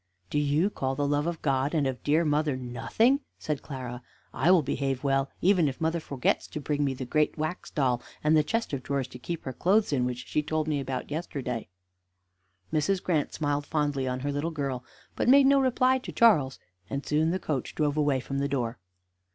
"Do you call the love of God and of dear mother nothing?" said Clara; "I will behave well, even if mother forgets to bring me the great wax doll, and the chest of drawers to keep her clothes in, which she told me about yesterday." Mrs. Grant smiled fondly on her little girl, but made no reply to Charles; and soon the coach drove away from the door.